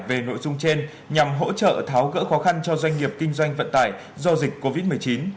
về nội dung trên nhằm hỗ trợ tháo gỡ khó khăn cho doanh nghiệp kinh doanh vận tải do dịch covid một mươi chín